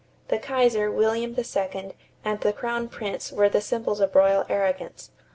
The Kaiser, William II, and the Crown Prince were the symbols of royal arrogance.